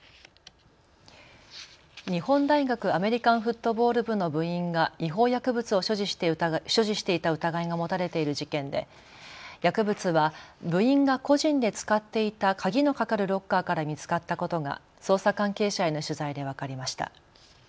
日本大学アメリカンフットボール部の部員が違法薬物を所持していた疑いが持たれている事件で薬物は部員が個人で使っていた鍵の掛かるロッカーから見つかったことが捜査関係者への取材で分かりました。